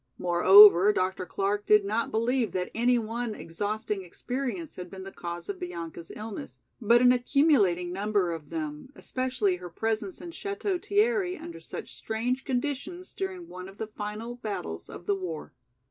Moreover, Dr. Clark did not believe that any one exhausting experience had been the cause of Bianca's illness but an accumulating number of them, especially her presence in Château Thierry under such strange conditions during one of the final battles of the war.